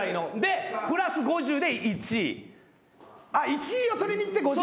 １位を取りにいって５０。